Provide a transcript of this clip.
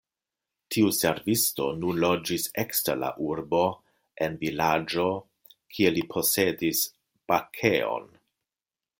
Tiu servisto nun loĝis ekster la urbo en vilaĝo, kie li posedis bakejon.